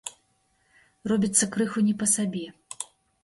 Робіцца крыху не па сабе.